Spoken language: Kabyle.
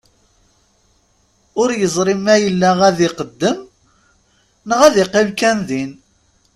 Ur yeẓri ma yella ad iqeddem neɣ ad iqqim kan din.